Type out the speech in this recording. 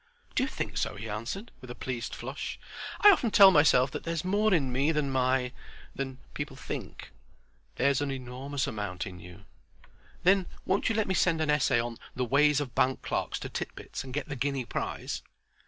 "Do you think so?" he answered, with a pleased flush. "I often tell myself that there's more in me than my—than people think." "There's an enormous amount in you." "Then, won't you let me send an essay on The Ways of Bank Clerks to Tit Bits, and get the guinea prize?"